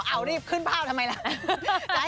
อ้าวไล่ขึ้นภาพทำไมละ